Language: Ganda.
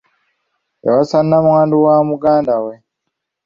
Yawasa nnamwandu wa muganda we.